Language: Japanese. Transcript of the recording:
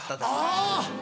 あぁ。